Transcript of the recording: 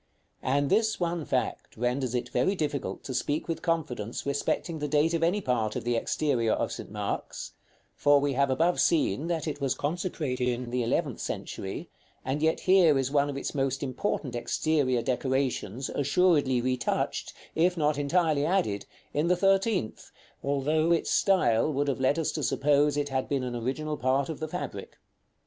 And this one fact renders it very difficult to speak with confidence respecting the date of any part of the exterior of St. Mark's; for we have above seen that it was consecrated in the eleventh century, and yet here is one of its most important exterior decorations assuredly retouched, if not entirely added, in the thirteenth, although its style would have led us to suppose it had been an original part of the fabric.